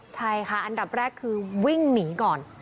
ใช่ค่ะอันดับแรกคือวิ่งหนีก่อน